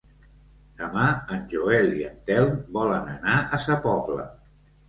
Demà en Joel i en Telm volen anar a Sa Pobla.